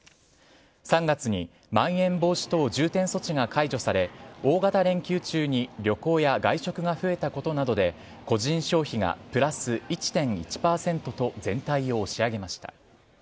３月にまん延防止等重点措置が解除され、大型連休中に旅行や外食が増えたことなどで、個人消費がプラス１．１％と全体を押し上げました。